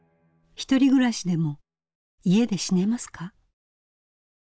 ひとり暮らしでも家で死ねますか？